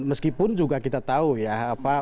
meskipun juga kita tahu ya